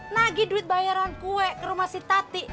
nagi duit bayaran kue ke rumah si tati